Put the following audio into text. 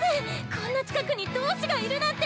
こんな近くに同志がいるなんて！